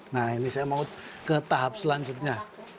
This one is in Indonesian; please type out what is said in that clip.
nah ini saya mau ke tahap selanjutnya